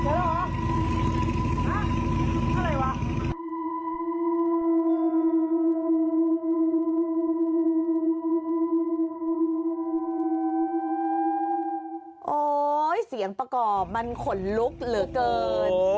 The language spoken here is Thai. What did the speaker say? โอ้โหเสียงประกอบมันขนลุกเหลือเกิน